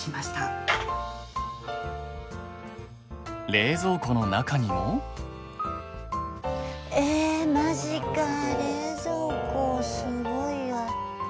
冷蔵庫の中にも？えまじか冷蔵庫すごいわ。